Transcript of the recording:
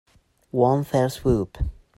One fell swoop